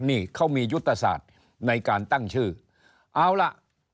นี่เค้ามียุตสาธิตในการตั้งชื่อเอาล่ะ